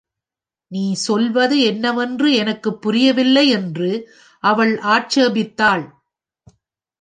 “நீ சொல்வது என்னவென்று எனக்குப் புரியவில்லை”என்று அவள் ஆட்சேபித்தாள்.